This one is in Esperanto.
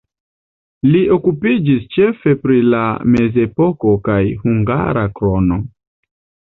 Li okupiĝis ĉefe pri la mezepoko kaj hungara krono.